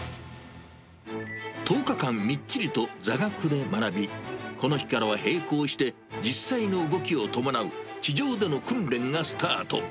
１０日間、みっちりと座学で学び、この日からは並行して、実際の動きを伴う機上での訓練がスタート。